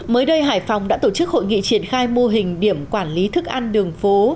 mới đây hải phòng đã tổ chức hội nghị triển khai mô hình điểm quản lý thức ăn đường phố